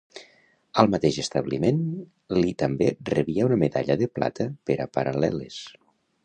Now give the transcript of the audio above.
Al mateix esdeveniment, Li també rebia una medalla de plata per a paral·leles.